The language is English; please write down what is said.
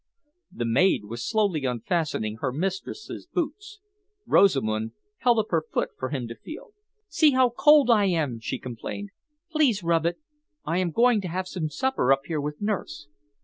The maid was slowly unfastening her mistress's boots. Rosamund held up her foot for him to feel. "See how cold I am!" she complained. "Please rub it. I am going to have some supper up here with nurse.